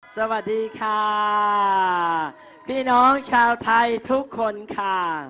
สวัสดีค่ะพี่น้องชาวไทยทุกคนค่ะ